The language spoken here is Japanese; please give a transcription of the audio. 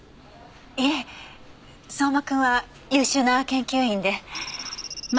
いえ相馬君は優秀な研究員で。